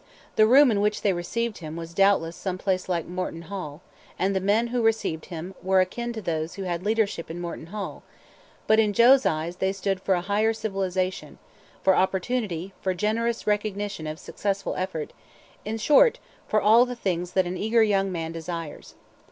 The room in which they received him was doubtless some place like Morton Hall, and the men who received him were akin to those who had leadership in Morton Hall; but in Joe's eyes they stood for a higher civilization, for opportunity, for generous recognition of successful effort in short, for all the things that an eager young man desires.